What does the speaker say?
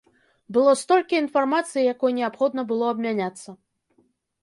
Было столькі інфармацыі, якой неабходна было абмяняцца!